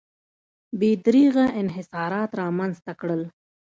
بې دریغه انحصارات رامنځته کړل.